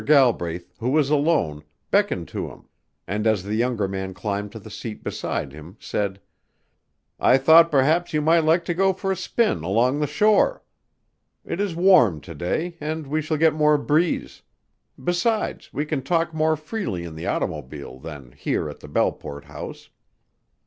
Galbraith, who was alone, beckoned to him, and as the younger man climbed to the seat beside him said: "I thought perhaps you might like to go for a spin along the shore. It is warm to day and we shall get more breeze; besides, we can talk more freely in the automobile than here or at the Belleport house.